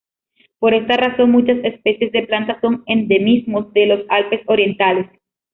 Por esa razón, muchas especies de plantas son endemismos de los Alpes orientales.